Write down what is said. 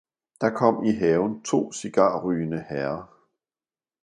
Da kom i haven to cigarrygende herrer.